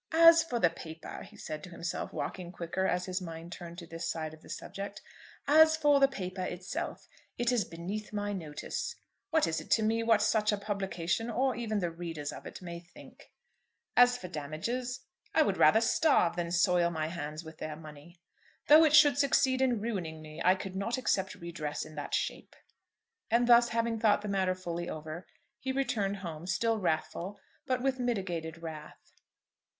"As for the paper," he said to himself, walking quicker as his mind turned to this side of the subject, "as for the paper itself, it is beneath my notice. What is it to me what such a publication, or even the readers of it, may think of me? As for damages, I would rather starve than soil my hands with their money. Though it should succeed in ruining me, I could not accept redress in that shape." And thus having thought the matter fully over, he returned home, still wrathful, but with mitigated wrath.